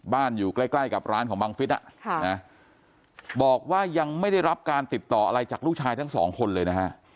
อยู่ใกล้กับร้านของบังฟิศบอกว่ายังไม่ได้รับการติดต่ออะไรจากลูกชายทั้งสองคนเลยนะฮะ